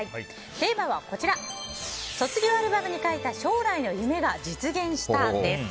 テーマは、卒業アルバムに書いた将来の夢が実現したです。